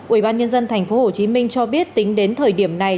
ubnd tp hcm cho biết tính đến thời điểm này